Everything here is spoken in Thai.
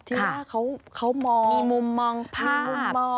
ที่มีมุมมองภาพ